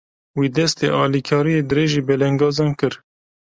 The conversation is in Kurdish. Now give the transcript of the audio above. Wî, destê alîkariyê dirêjî belengazan kir.